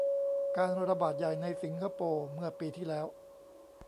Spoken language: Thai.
การระบาดใหญ่ในสิงคโปร์ เมื่อปีที่แล้ว